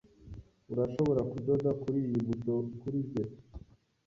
Urashobora kudoda kuriyi buto kuri njye?